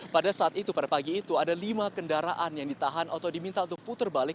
pada saat itu pada pagi itu ada lima kendaraan yang ditahan atau diminta untuk putar balik